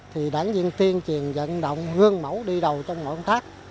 thì đảng viên tuyên truyền dẫn động gương mẫu đi đầu trong mọi công tác